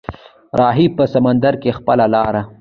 راوهي په سمندر کې خپله لاره